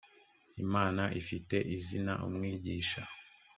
imana ifite izina umwigisha